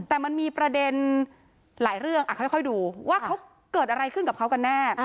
แต่มันมีประเด็นหลายเรื่องค่อยดูว่าเขาเกิดอะไรขึ้นกับเขากันแน่